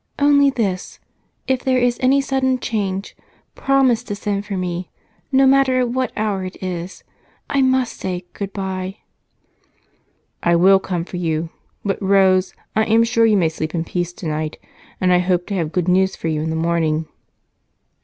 "Only this if there is any sudden change, promise to send for me, no matter at what hour it is. I must say 'good bye'". "I will come for you. But, Rose, I am sure you may sleep in peace tonight, and I hope to have good news for you in the morning."